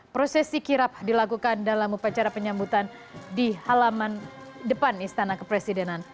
prosesi kirap dilakukan dalam upacara penyambutan di halaman depan istana kepresidenan